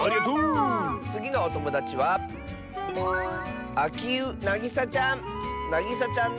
つぎのおともだちはなぎさちゃんの。